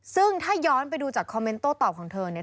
ซึ่งถ้าย้อนไปดูจากคอมเมนต์โต้ตอบของเธอเนี่ย